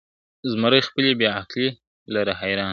زمری خپلي بې عقلۍ لره حیران سو .